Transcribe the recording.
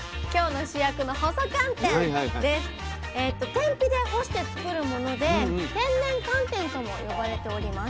天日で干して作るもので「天然寒天」とも呼ばれております。